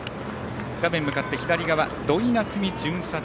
画面向かって左側土井夏実巡査長。